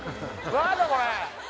何だこれ？